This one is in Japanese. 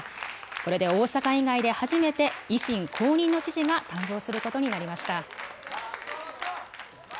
これで大阪以外で初めて維新公認の知事が誕生することになりました。